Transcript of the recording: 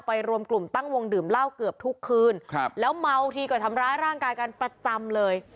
รวมกลุ่มตั้งวงดื่มเหล้าเกือบทุกคืนครับแล้วเมาทีก็ทำร้ายร่างกายกันประจำเลย